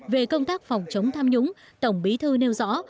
về công tác phòng chống tham nhũng tổng bí thư nêu rõ